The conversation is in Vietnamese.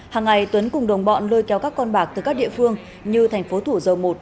hàng ngày tuấn cùng đồng bọn lôi kéo các con bạc từ các địa phương như thành phố thủ dầu một